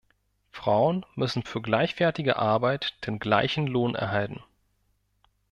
Frauen müssen für gleichwertige Arbeit den gleichen Lohn erhalten!